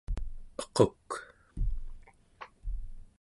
equk